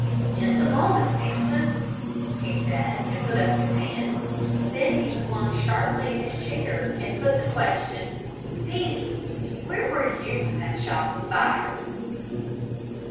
"Just a moment, Sampson!" he said, and put up his hand. Then he swung sharply in his chair and put the question: "Peaslee, where were you when that shot was fired?"